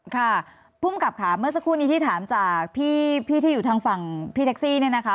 ค่ะภูมิกับค่ะเมื่อสักครู่นี้ที่ถามจากพี่ที่อยู่ทางฝั่งพี่แท็กซี่เนี่ยนะคะ